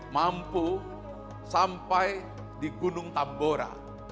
mampu sampai di gunung tambora